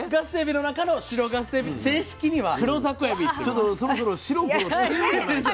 ちょっとそろそろ白黒つけようじゃないか。